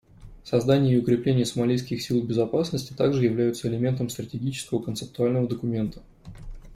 Создание и укрепление сомалийских сил безопасности также являются элементом стратегического концептуального документа.